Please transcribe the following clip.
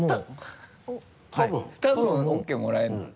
多分ＯＫもらえるの？